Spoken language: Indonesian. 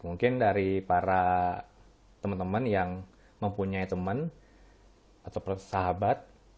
mungkin dari para teman teman yang mempunyai teman atau sahabat